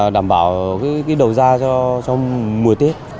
đảm bảo đầu ra trong mùa tết